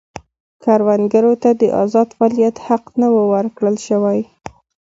کروندګرو ته د ازاد فعالیت حق نه و ورکړل شوی.